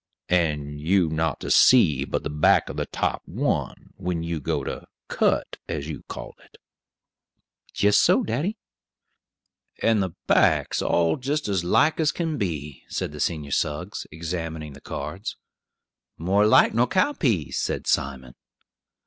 "And you not to see but the back of the top one, when you go to 'cut,' as you call it?" "Jist so, daddy." "And the backs all jist' as like as kin be?" said the senior Suggs, examining the cards. "More alike nor cow peas," said Simon.